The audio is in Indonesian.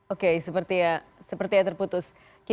oke sepertinya terputus